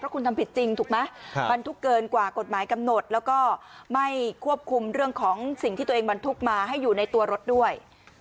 คุณทำผิดจริงถูกไหมบรรทุกเกินกว่ากฎหมายกำหนดแล้วก็ไม่ควบคุมเรื่องของสิ่งที่ตัวเองบรรทุกมาให้อยู่ในตัวรถด้วย